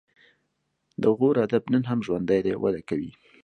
د غور ادب نن هم ژوندی دی او وده کوي